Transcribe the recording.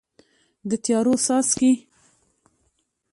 د تیارو څاڅکي